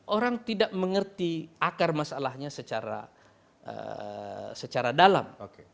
orang tidak mengerti akar masalahnya secara dalam